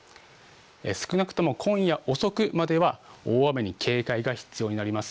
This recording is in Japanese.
少なくとも今夜遅くまでは大雨に警戒が必要になります。